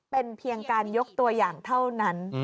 เป็นเพียงการยกตัวอย่างเท่านั้น